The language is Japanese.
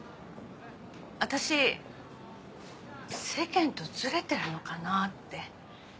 私世間とズレてるのかなぁって。